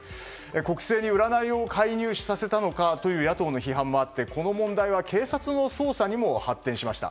国政に占いを介入させたのかという野党の批判もあってこの問題は警察の捜査にも発展しました。